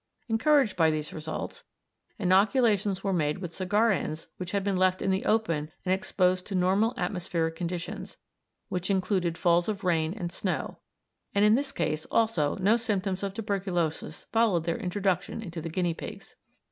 Encouraged by these results, inoculations were made with cigar ends which had been left in the open and exposed to normal atmospheric conditions, which included falls of rain and snow, and in this case also no symptoms of tuberculosis followed their introduction into the guinea pigs.